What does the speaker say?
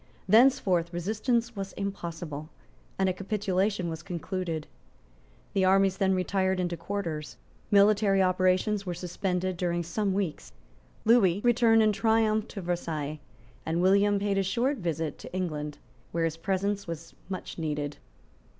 Thenceforth resistance was impossible; and a capitulation was concluded. The armies then retired into quarters. Military operations were suspended during some weeks; Lewis returned in triumph to Versailles; and William paid a short visit to England, where his presence was much needed.